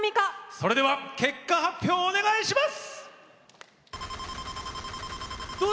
それでは結果発表をお願いします！